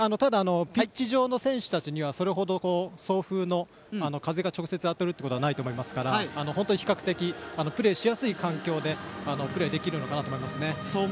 ピッチ上の選手たちにはそれ程、送風の風が直接当たることはないですから本当に比較的プレーしやすい環境でプレーできるのかなと思いますね。